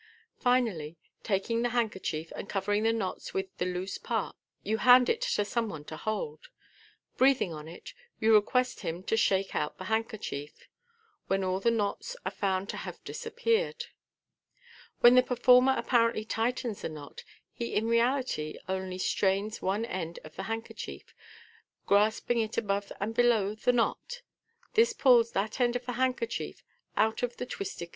Finally, taking the handkerchief, and covering the knots with the loose part, you hand it to some one to hold. Breathing on it, you request him to shake out the handkerchief, when all the knots are Sound to have disappeared. When the performer apparently tightens the knot, he in reality only strains one end of the handkerchief, grasping it above and below the knot. This pulls that end of the handkerchief out of its twisted MODh. IN MA GIC.